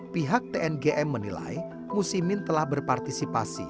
pihak tng menilai musimin telah berpartisipasi